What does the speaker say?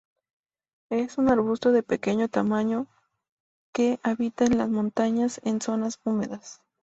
Es un arbusto de pequeño tamaño que habita en las montañas en zonas húmedas.